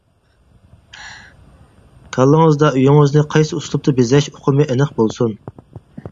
كاللىڭىزدا ئۆيىڭىزنى قايسى ئۇسلۇبتا بېزەش ئۇقۇمى ئېنىق بولسۇن.